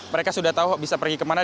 mereka sudah tahu bisa pergi kemana